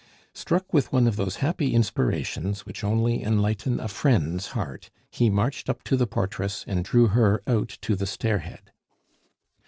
Struck with one of those happy inspirations which only enlighten a friend's heart, he marched up to the portress and drew her out to the stairhead.